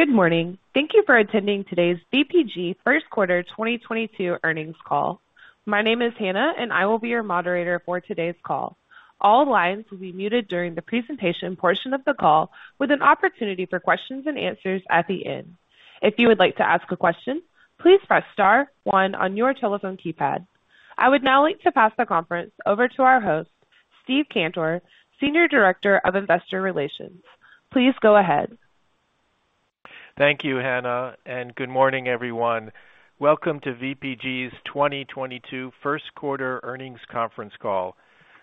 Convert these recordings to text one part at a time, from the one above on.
Good morning. Thank you for attending today's VPG Q1 2022 Earnings Call. My name is Hannah, and I will be your moderator for today's call. All lines will be muted during the presentation portion of the call with an opportunity for questions and answers at the end. If you would like to ask a question, please press star one on your telephone keypad. I would now like to pass the conference over to our host, Steve Cantor, Senior Director of Investor Relations. Please go ahead. Thank you, Hannah, and good morning, everyone. Welcome to VPG's 2022 Q1 Earnings Conference Call.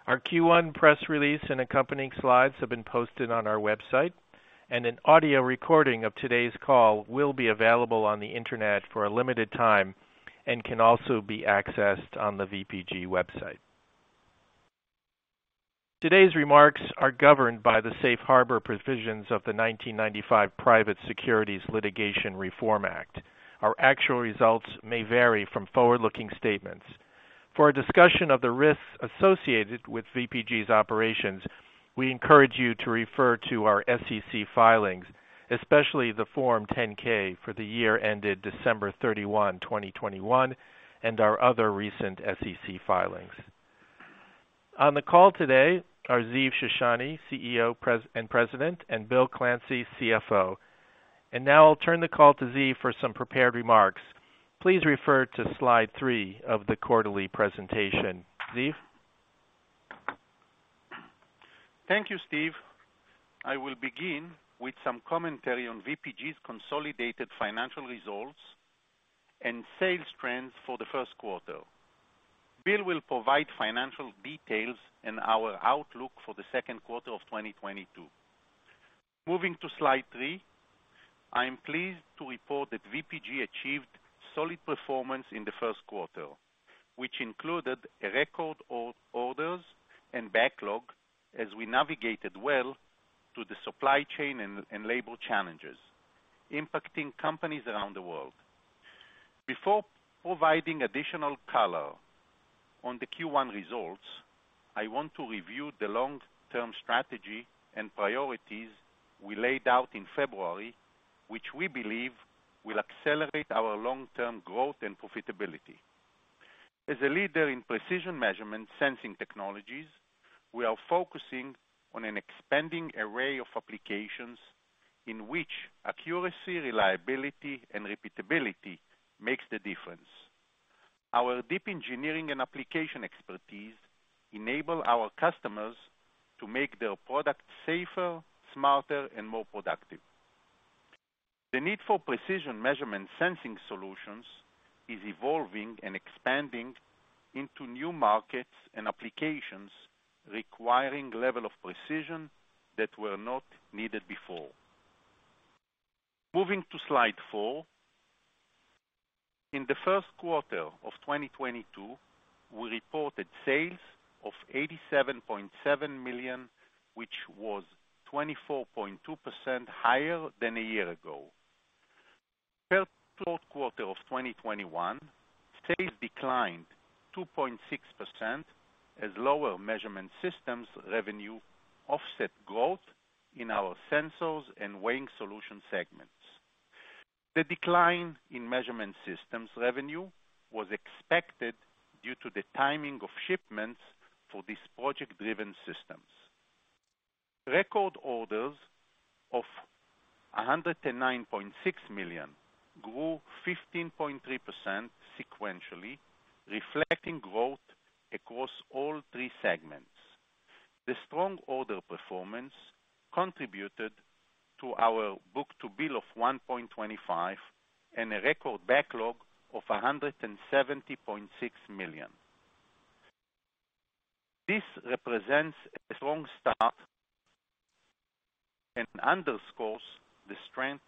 Our Q1 press release and accompanying slides have been posted on our website, and an audio recording of today's call will be available on the Internet for a limited time and can also be accessed on the VPG website. Today's remarks are governed by the safe harbor provisions of the 1995 Private Securities Litigation Reform Act. Our actual results may vary from forward-looking statements. For a discussion of the risks associated with VPG's operations, we encourage you to refer to our SEC filings, especially the Form 10-K for the year ended 31 December 2021, and our other recent SEC filings. On the call today are Ziv Shoshani, CEO and President, and Bill Clancy, CFO. Now I'll turn the call to Ziv for some prepared remarks. Please refer to slide three of the quarterly presentation. Ziv. Thank you, Steve. I will begin with some commentary on VPG's consolidated financial results and sales trends for the Q1. Bill will provide financial details and our outlook for the Q2 of 2022. Moving to slide three, I am pleased to report that VPG achieved solid performance in the Q1, which included record orders and backlog as we navigated well through the supply chain and labor challenges impacting companies around the world. Before providing additional color on the Q1 results, I want to review the long-term strategy and priorities we laid out in February, which we believe will accelerate our long-term growth and profitability. As a leader in precision measurement sensing technologies, we are focusing on an expanding array of applications in which accuracy, reliability, and repeatability makes the difference. Our deep engineering and application expertise enable our customers to make their products safer, smarter, and more productive. The need for precision measurement and sensing solutions is evolving and expanding into new markets and applications requiring levels of precision that were not needed before. Moving to slide four. In the Q1 of 2022, we reported sales of $87.7 million, which was 24.2% higher than a year ago. From the Q4 of 2021, sales declined 2.6% as lower Measurement Systems revenue offset growth in our Sensors and Weighing Solutions segments. The decline in Measurement Systems revenue was expected due to the timing of shipments for these project-driven systems. Record orders of $109.6 million grew 15.3% sequentially, reflecting growth across all three segments. The strong order performance contributed to our book-to-bill of 1.25 and a record backlog of $170.6 million. This represents a strong start and underscores the strength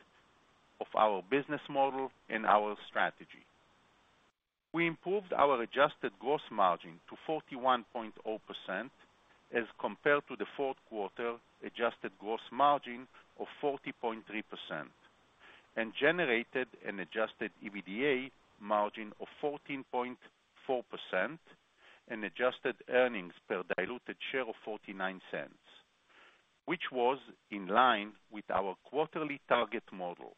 of our business model and our strategy. We improved our adjusted gross margin to 41.0% as compared to the Q4 adjusted gross margin of 40.3%, and generated an adjusted EBITDA margin of 14.4% and adjusted earnings per diluted share of $0.49, which was in line with our quarterly target model.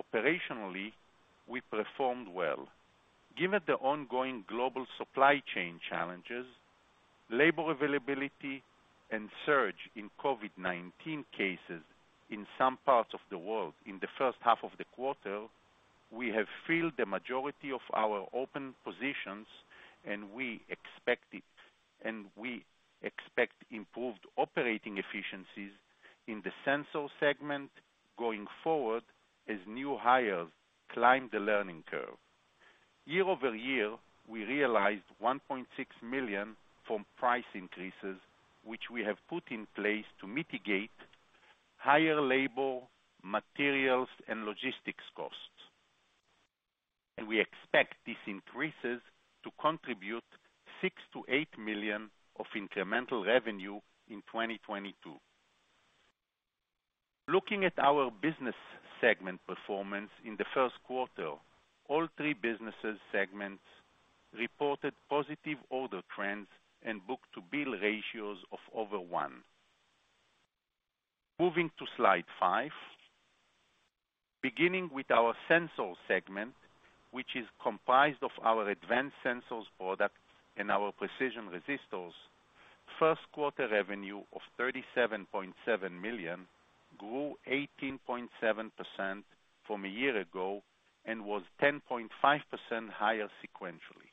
Operationally, we performed well. Given the ongoing global supply chain challenges, labor availability and surge in COVID-19 cases in some parts of the world in the first half of the quarter, we have filled the majority of our open positions, and we expect improved operating efficiencies in the sensor segment going forward as new hires climb the learning curve. Year over year, we realized $1.6 million from price increases, which we have put in place to mitigate higher labor, materials, and logistics costs. We expect these increases to contribute $6 million-$8 million of incremental revenue in 2022. Looking at our business segment performance in the Q1, all three business segments reported positive order trends and book-to-bill ratios of over 1. Moving to slide five. Beginning with our Sensor segment, which is comprised of our advanced sensors product and our precision resistors. Q1 revenue of $37.7 million grew 18.7% from a year ago and was 10.5% higher sequentially.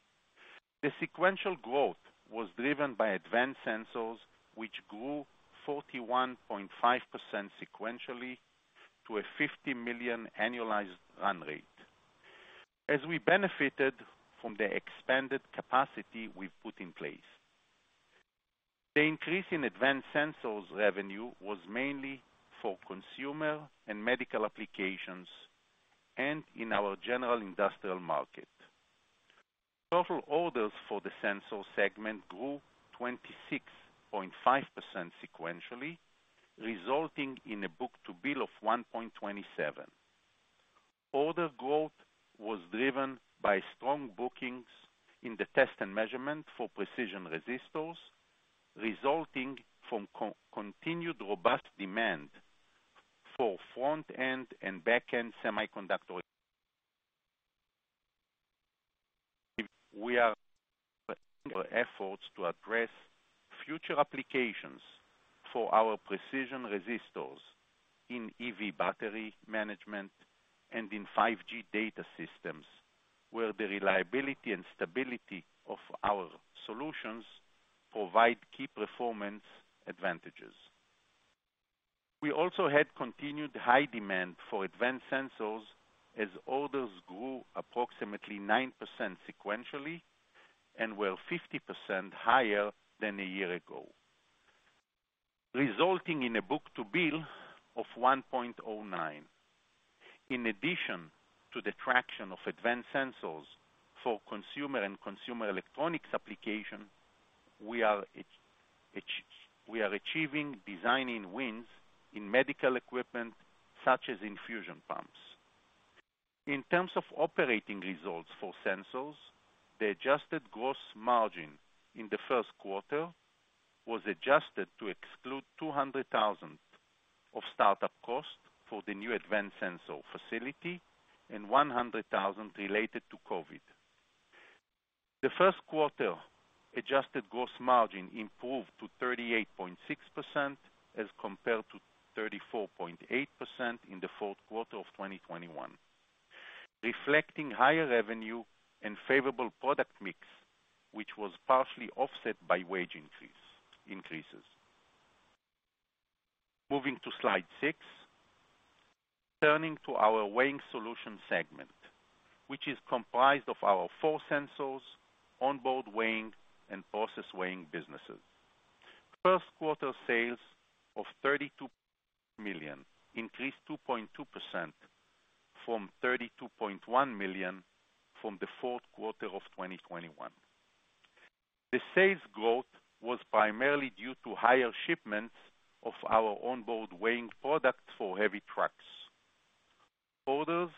The sequential growth was driven by advanced sensors, which grew 41.5% sequentially to a $50 million annualized run rate. As we benefited from the expanded capacity we've put in place. The increase in advanced sensors revenue was mainly for consumer and medical applications and in our general industrial market. Total orders for the sensor segment grew 26.5% sequentially, resulting in a book-to-bill of 1.27. Order growth was driven by strong bookings in the test and measurement for precision resistors, resulting from continued robust demand for front-end and back-end semiconductors. Our efforts to address future applications for our precision resistors in EV battery management and in 5G data systems, where the reliability and stability of our solutions provide key performance advantages. We also had continued high demand for advanced sensors as orders grew approximately 9% sequentially and were 50% higher than a year ago, resulting in a book-to-bill of 1.09. In addition to the traction of advanced sensors for consumer electronics application, we are achieving design wins in medical equipment such as infusion pumps. In terms of operating results for sensors, the adjusted gross margin in the Q1 was adjusted to exclude $200,000 of start-up costs for the new advanced sensor facility and $100,000 related to COVID. The Q1 adjusted gross margin improved to 38.6% as compared to 34.8% in the Q4 of 2021, reflecting higher revenue and favorable product mix, which was partially offset by wage increases. Moving to slide six. Turning to our Weighing Solutions segment, which is comprised of our Force Sensors, Onboard Weighing and Process Weighing businesses. Q1 sales of $32 million increased 2.2% from $32.1 million from the Q4 of 2021. The sales growth was primarily due to higher shipments of our Onboard Weighing products for heavy trucks. Orders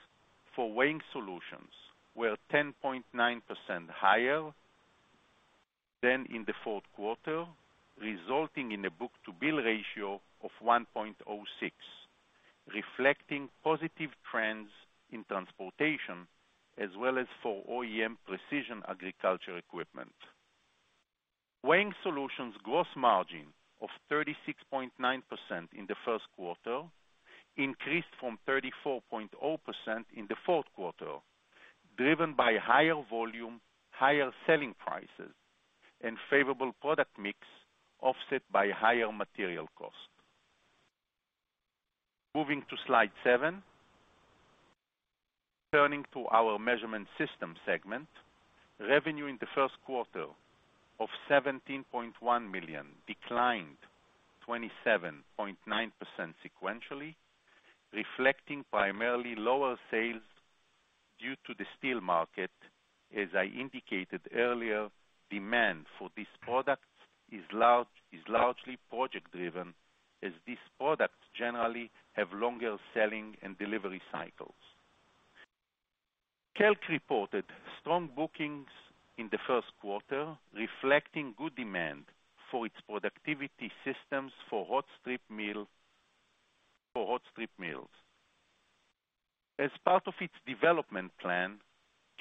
for Weighing Solutions were 10.9% higher than in the Q4, resulting in a book-to-bill ratio of 1.06, reflecting positive trends in transportation as well as for OEM precision agriculture equipment. Weighing Solutions gross margin of 36.9% in the Q1 increased from 34.0% in the Q4, driven by higher volume, higher selling prices, and favorable product mix, offset by higher material costs. Moving to slide seven. Turning to our Measurement Systems segment. Revenue in the Q1 of $17.1 million declined 27.9% sequentially, reflecting primarily lower sales due to the steel market. As I indicated earlier, demand for these products is largely project-driven, as these products generally have longer selling and delivery cycles. KELK reported strong bookings in the Q1, reflecting good demand for its productivity systems for hot strip mills. As part of its development plan,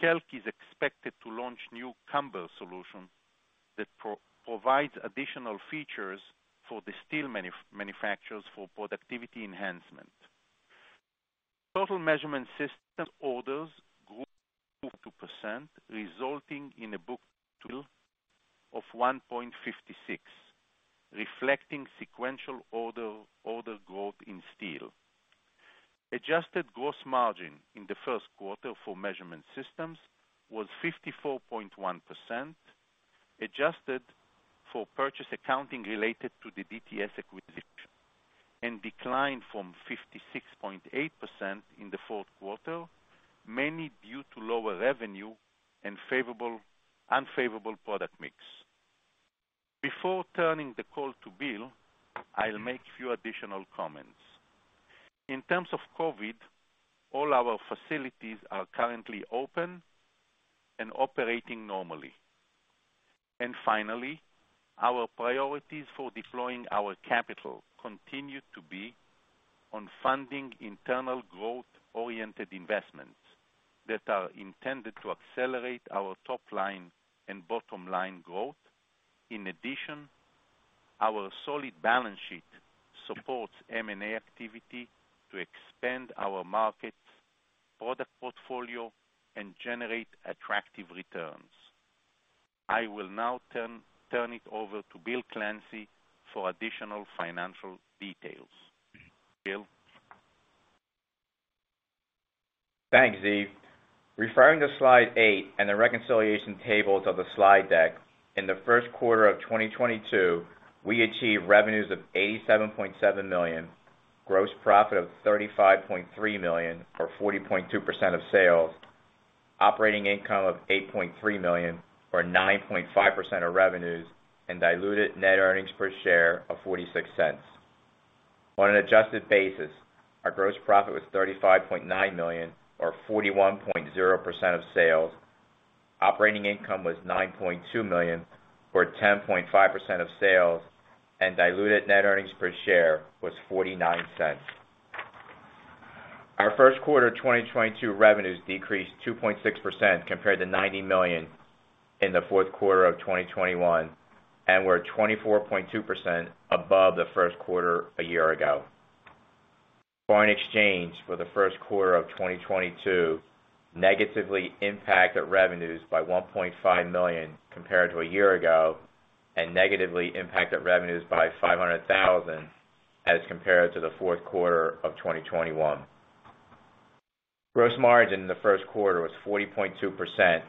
KELK is expected to launch new combo solution that provides additional features for the steel manufacturers for productivity enhancement. Total measurement system orders grew 2%, resulting in a book-to-bill of 1.56, reflecting sequential order growth in steel. Adjusted gross margin in the Q1 for measurement systems was 54.1%, adjusted for purchase accounting related to the DTS acquisition, and declined from 56.8% in the Q4, mainly due to lower revenue and unfavorable product mix. Before turning the call to Bill, I'll make few additional comments. In terms of COVID, all our facilities are currently open and operating normally. Finally, our priorities for deploying our capital continue to be on funding internal growth-oriented investments that are intended to accelerate our top line and bottom line growth. In addition, our solid balance sheet supports M&A activity to expand our markets, product portfolio, and generate attractive returns. I will now turn it over to Bill Clancy for additional financial details. Bill? Thanks, Ziv. Referring to slide eight and the reconciliation tables of the slide deck, in the Q1 of 2022, we achieved revenues of $87.7 million, gross profit of $35.3 million, or 40.2% of sales, operating income of $8.3 million, or 9.5% of revenues, and diluted net earnings per share of $0.46. On an adjusted basis, our gross profit was $35.9 million, or 41.0% of sales. Operating income was $9.2 million, or 10.5% of sales, and diluted net earnings per share was $0.49. Our Q1 2022 revenues decreased 2.6% compared to $90 million in the Q4 of 2021, and were 24.2% above the Q1 a year ago. Foreign exchange for the Q1 of 2022 negatively impacted revenues by $1.5 million compared to a year ago, and negatively impacted revenues by $500,000 as compared to the Q4 of 2021. Gross margin in the Q1 was 40.2%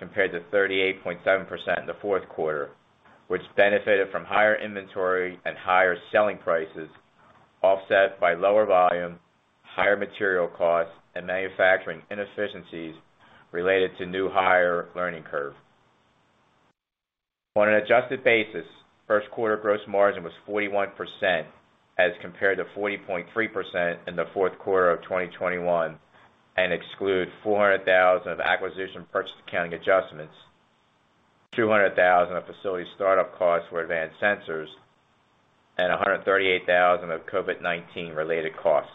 compared to 38.7% in the Q4, which benefited from higher inventory and higher selling prices, offset by lower volume, higher material costs, and manufacturing inefficiencies related to new higher learning curve. On an adjusted basis, Q1 gross margin was 41% as compared to 40.3% in the Q4 of 2021, excluding $400,000 of acquisition purchase accounting adjustments, $200,000 of facility start-up costs for Advanced Sensors, and $138,000 of COVID-19 related costs.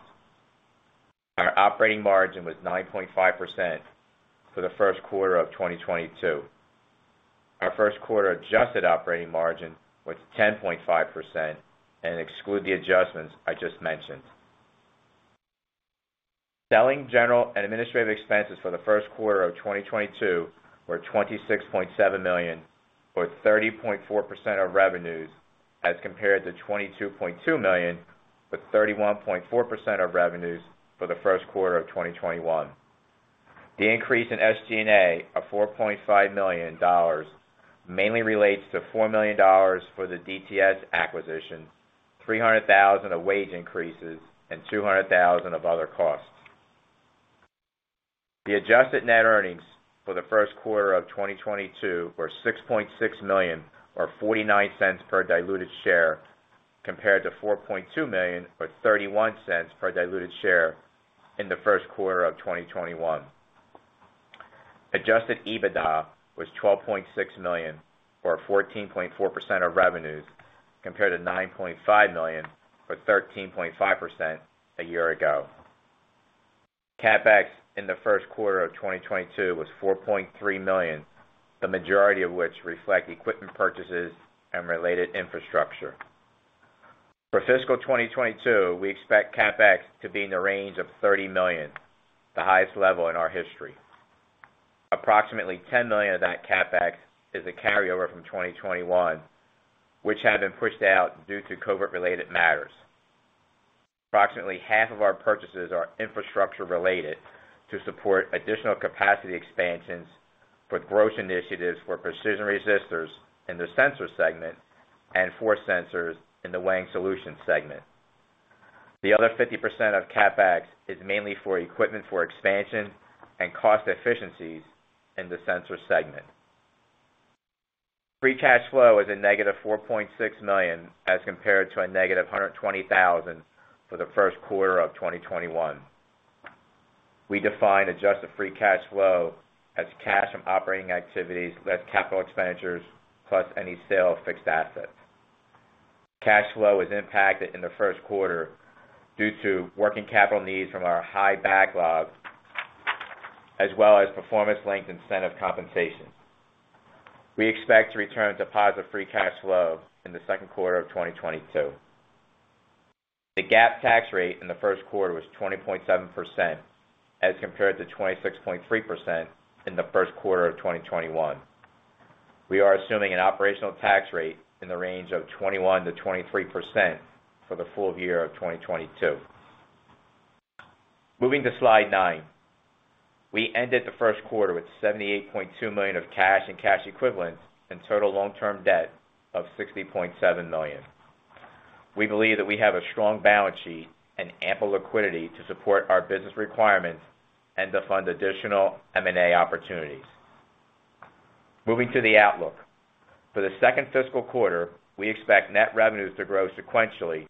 Our operating margin was 9.5% for the Q1 of 2022. Our Q1 adjusted operating margin was 10.5% excluding the adjustments I just mentioned. Selling, general, and administrative expenses for the Q1 of 2022 were $26.7 million, or 30.4% of revenues, as compared to $22.2 million, with 31.4% of revenues for the Q1 of 2021. The increase in SG&A of $4.5 million mainly relates to $4 million for the DTS acquisition, $300,000 of wage increases, and $200,000 of other costs. The adjusted net earnings for the Q1 of 2022 were $6.6 million or $0.49 per diluted share, compared to $4.2 million or $0.31 per diluted share in the Q1 of 2021. Adjusted EBITDA was $12.6 million or 14.4% of revenues, compared to $9.5 million or 13.5% a year ago. CapEx in the Q1 of 2022 was $4.3 million, the majority of which reflect equipment purchases and related infrastructure. For fiscal 2022, we expect CapEx to be in the range of $30 million, the highest level in our history. Approximately $10 million of that CapEx is a carryover from 2021, which had been pushed out due to COVID related matters. Approximately half of our purchases are infrastructure related to support additional capacity expansions for growth initiatives for precision resistors in the Sensors segment and force sensors in the Weighing Solutions segment. The other 50% of CapEx is mainly for equipment for expansion and cost efficiencies in the Sensors segment. Free cash flow is -$4.6 million, as compared to -$120,000 for the Q1 of 2021. We define adjusted free cash flow as cash from operating activities, less capital expenditures, plus any sale of fixed assets. Cash flow was impacted in the Q1 due to working capital needs from our high backlog, as well as performance long-term incentive compensation. We expect to return to positive free cash flow in the Q2 of 2022. The GAAP tax rate in the Q1 was 20.7%, as compared to 26.3% in the Q1 of 2021. We are assuming an operational tax rate in the range of 21%-23% for the full year of 2022. Moving to slide nine. We ended the Q1 with $78.2 million of cash and cash equivalents and total long-term debt of $60.7 million. We believe that we have a strong balance sheet and ample liquidity to support our business requirements and to fund additional M&A opportunities. Moving to the outlook. For the fiscal Q2, we expect net revenues to grow sequentially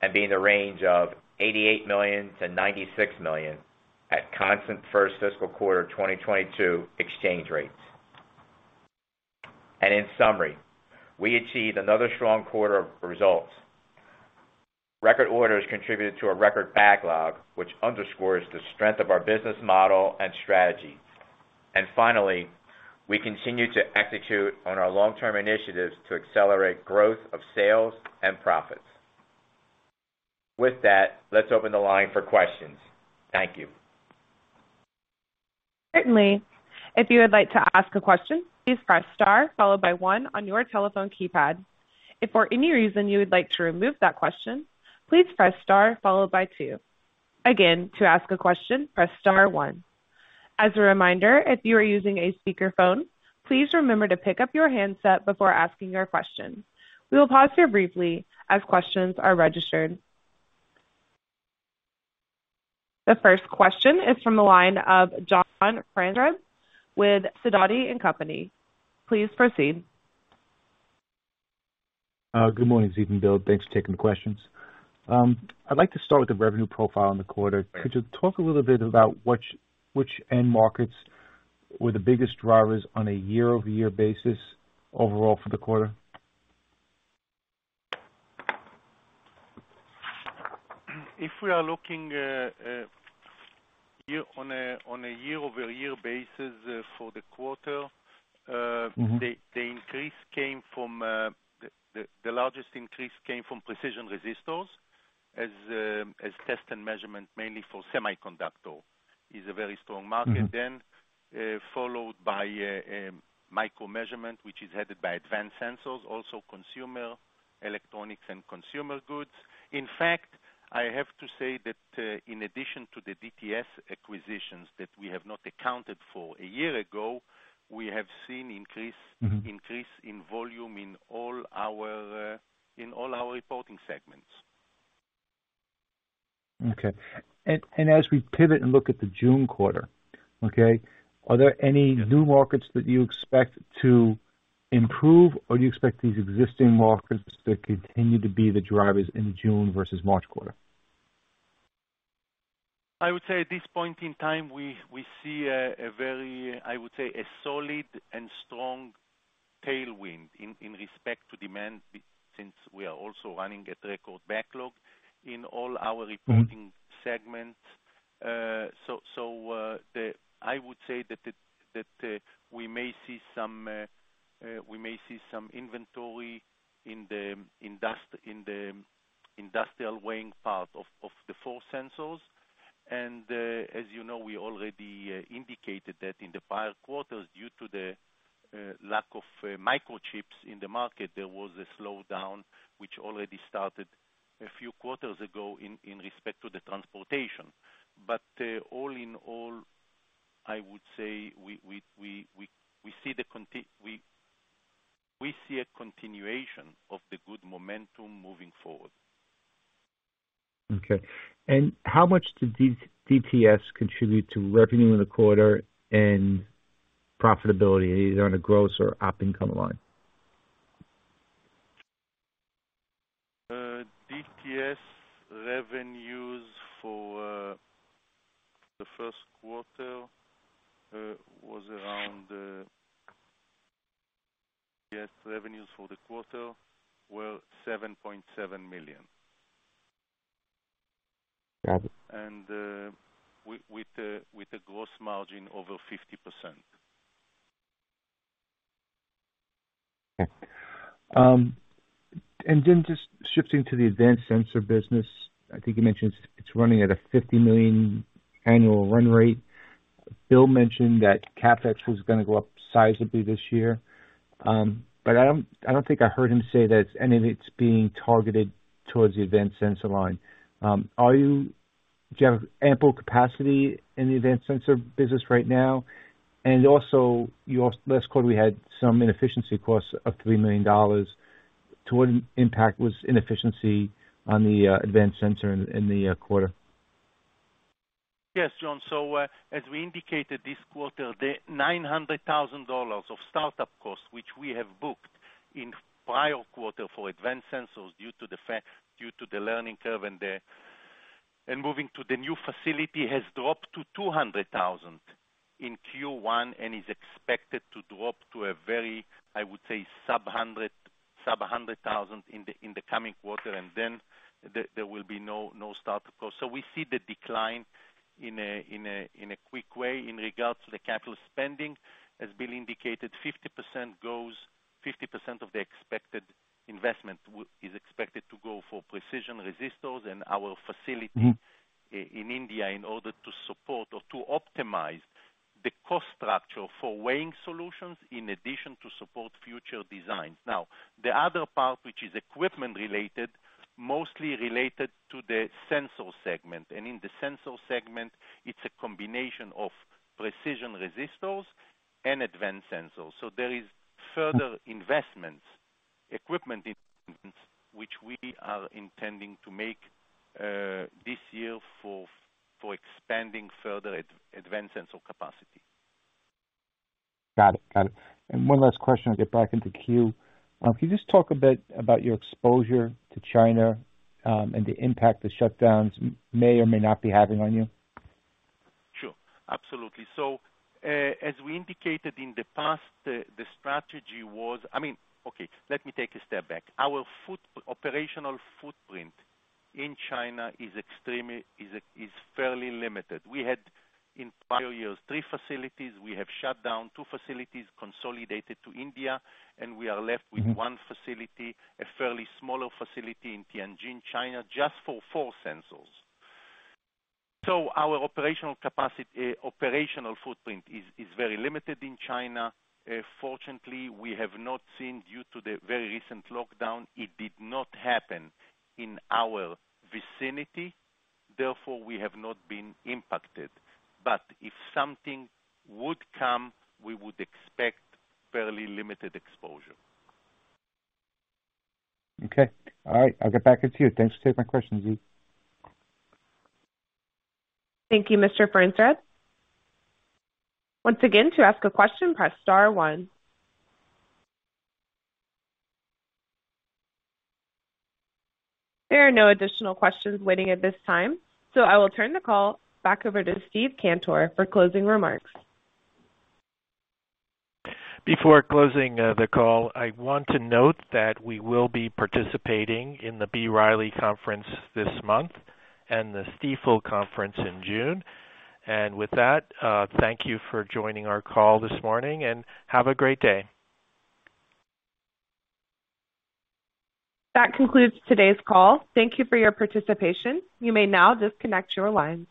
and be in the range of $88 million-$96 million at constant fiscal Q1 2022 exchange rates. In summary, we achieved another strong quarter of results. Record orders contributed to a record backlog, which underscores the strength of our business model and strategy. Finally, we continue to execute on our long-term initiatives to accelerate growth of sales and profits. With that, let's open the line for questions. Thank you. Certainly. If you would like to ask a question, please press star followed by one on your telephone keypad. If for any reason you would like to remove that question, please press star followed by two. Again, to ask a question, press star one. As a reminder, if you are using a speakerphone, please remember to pick up your handset before asking your question. We will pause here briefly as questions are registered. The first question is from the line of John Franzreb with SIDOTI & Company. Please proceed. Good morning, Ziv and Bill. Thanks for taking the questions. I'd like to start with the revenue profile in the quarter. Could you talk a little bit about which end markets were the biggest drivers on a year-over-year basis overall for the quarter? If we are looking on a year-over-year basis for the quarter. Mm-hmm. The largest increase came from precision resistors as test and measurement, mainly for semiconductor is a very strong market. Mm-hmm. Followed by Micro-Measurements, which is headed by Advanced Sensors, also consumer electronics and consumer goods. In fact, I have to say that, in addition to the DTS acquisitions that we have not accounted for a year ago, we have seen increase- Mm-hmm. Increase in volume in all our reporting segments. Okay. As we pivot and look at the June quarter, okay, are there any new markets that you expect to improve, or do you expect these existing markets to continue to be the drivers in June versus March quarter? I would say at this point in time, we see a very, I would say, a solid and strong tailwind in respect to demand since we are also running at record backlog in all our reporting segments. I would say that we may see some inventory in the industrial weighing part of the force sensors. As you know, we already indicated that in the prior quarters, due to the lack of microchips in the market, there was a slowdown which already started a few quarters ago in respect to the transportation. All in all, I would say we see a continuation of the good momentum moving forward. Okay. How much did DTS contribute to revenue in the quarter and profitability, either on a gross or op income line? DTS revenues for the Q1 were around $7.7 million. Got it. With the gross margin over 50%. Okay. Just shifting to the Advanced Sensors business. I think you mentioned it's running at a $50 million annual run rate. Bill mentioned that CapEx was gonna go up sizably this year. I don't think I heard him say that any of it's being targeted towards the Advanced Sensors line. Do you have ample capacity in the Advanced Sensors business right now? Last quarter, we had some inefficiency costs of $3 million. To what impact was inefficiency on the Advanced Sensors in the quarter? Yes, John. As we indicated this quarter, the $900,000 of startup costs, which we have booked in prior quarter for Advanced Sensors due to the learning curve and moving to the new facility has dropped to $200,000 in Q1 and is expected to drop to a very, I would say sub-$100,000 in the coming quarter, and then there will be no startup cost. We see the decline in a quick way. In regards to the capital spending, as Bill indicated, 50% of the expected investment is expected to go for precision resistors in our facility. Mm-hmm. In India in order to support or to optimize the cost structure for Weighing Solutions in addition to support future designs. Now, the other part, which is equipment related, mostly related to the Sensors segment, and in the Sensors segment, it's a combination of precision resistors and advanced sensors. There is further investments, equipment investments, which we are intending to make, this year for expanding further advanced sensor capacity. Got it. One last question, I'll get back into queue. Can you just talk a bit about your exposure to China, and the impact the shutdowns may or may not be having on you? Sure. Absolutely. As we indicated in the past, the strategy was. I mean, okay, let me take a step back. Our operational footprint in China is fairly limited. We had in prior years, three facilities. We have shut down two facilities, consolidated to India, and we are left with one facility, a fairly smaller facility in Tianjin, China, just for force sensors. Our operational footprint is very limited in China. Fortunately, we have not seen due to the very recent lockdown. It did not happen in our vicinity, therefore we have not been impacted. If something would come, we would expect fairly limited exposure. Okay. All right. I'll get back into queue. Thanks for taking my question, Ziv. Thank you, Mr. Franzreb. Once again, to ask a question, press star one. There are no additional questions waiting at this time, so I will turn the call back over to Steve Cantor for closing remarks. Before closing the call, I want to note that we will be participating in the B. Riley conference this month and the Stifel conference in June. With that, thank you for joining our call this morning, and have a great day. That concludes today's call. Thank you for your participation. You may now disconnect your lines.